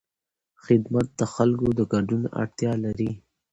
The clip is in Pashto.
خدمت د خلکو د ګډون اړتیا لري.